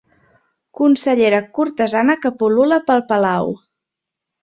Consellera cortesana que pul·lula pel palau.